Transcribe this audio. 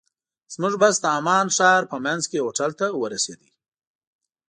زموږ بس د عمان ښار په منځ کې هوټل ته ورسېد.